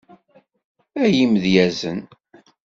Ay imedyazen.